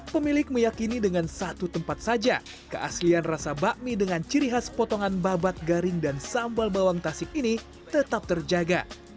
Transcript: pemilik meyakini dengan satu tempat saja keaslian rasa bakmi dengan ciri khas potongan babat garing dan sambal bawang tasik ini tetap terjaga